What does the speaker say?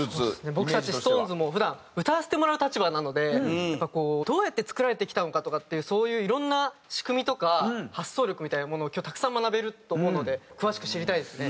僕たちＳｉｘＴＯＮＥＳも普段歌わせてもらう立場なのでやっぱこうどうやって作られてきたのかとかっていうそういういろんな仕組みとか発想力みたいなものを今日たくさん学べると思うので詳しく知りたいですね。